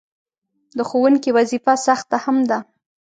د ښوونکي وظیفه سخته هم ده.